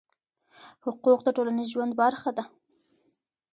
حقوق د ټولنيز ژوند برخه ده؟